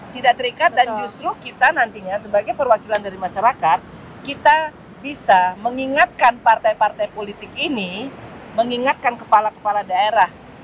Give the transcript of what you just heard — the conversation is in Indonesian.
tidak terikat dan justru kita nantinya sebagai perwakilan dari masyarakat kita bisa mengingatkan partai partai politik ini mengingatkan kepala kepala daerah